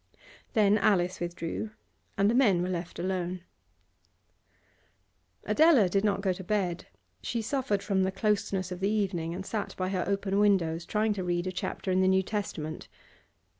Then Alice withdrew, and the men were left alone. Adela did not go to bed. She suffered from the closeness of the evening and sat by her open windows, trying to read a chapter in the New Testament.